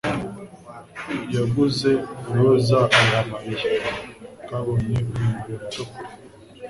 yaguze roza ayiha Mariya. Twabonye urumuri ruto kure.